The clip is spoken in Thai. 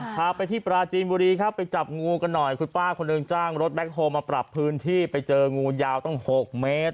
พาไปที่ปราจีนบุรีครับไปจับงูกันหน่อยคุณป้าคนหนึ่งจ้างรถแคคโฮลมาปรับพื้นที่ไปเจองูยาวตั้ง๖เมตร